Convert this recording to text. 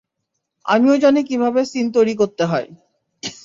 আমিও জানি কীভাবে সিন তৈরি করতে হয়।